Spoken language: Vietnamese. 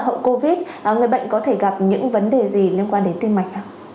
hậu covid người bệnh có thể gặp những vấn đề gì liên quan đến tim mạch ạ